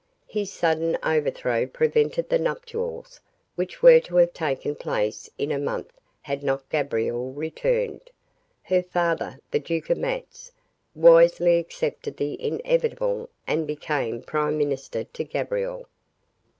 "His sudden overthrow prevented the nuptials which were to have taken place in a month had not Gabriel returned. Her father, the Duke of Matz, wisely accepted the inevitable and became prime minister to Gabriel.